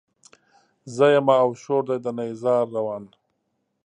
زه يمه او شور دی د نيزار روان